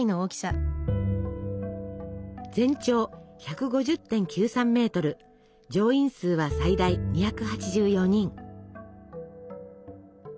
全長１５０．９３ｍ乗員数は最大２８４人。